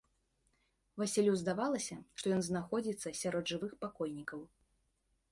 Васілю здавалася, што ён знаходзіцца сярод жывых пакойнікаў.